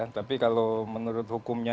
tapi kalau menurut hukumnya